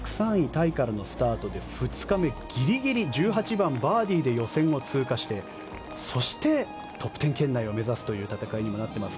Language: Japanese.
タイからのスタートで２日目ギリギリ１８番、バーディーで予選を通過してそして、トップ１０圏内を目指すという大会にもなっています。